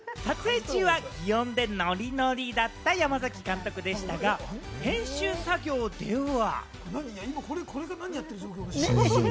撮影中は擬音でノリノリだった山崎監督でしたが、編集作業では。